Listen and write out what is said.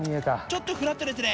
ちょっとフラットですね。